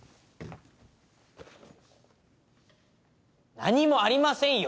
何もありませんよ！